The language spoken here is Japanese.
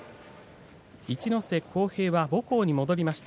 一ノ瀬康平は母校に戻りました。